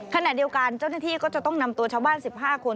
ขณะเดียวกันเจ้าหน้าที่ก็จะต้องนำตัวชาวบ้าน๑๕คน